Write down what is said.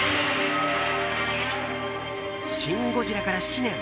「シン・ゴジラ」から７年。